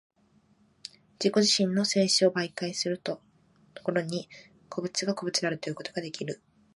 自己自身の生死を媒介とする所に、個物が個物であるということができる。